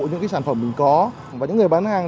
những cái sản phẩm mình có và những người bán hàng